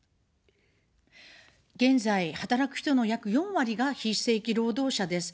現在、働く人の約４割が非正規労働者です。